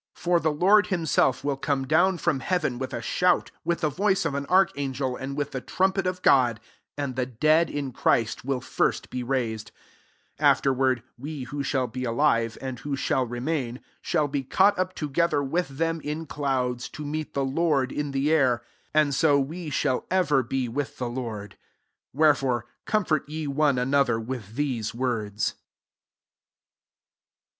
16 For the Lord himself will come down from heaven with a shout, with the voice of an archangel, and with the trum pet of God : and the dead in Christ will first be raised : 17 afterward, we who ahall be alive, and who ahall remain, shall be caught up together with them in clouds, to meet the Lord in the air : and so, we shall ever be with the Lord. 18 Wherefore, comfort ye one an Qther with these words.